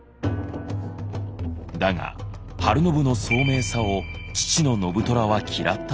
だが晴信の聡明さを父の信虎は嫌ったという。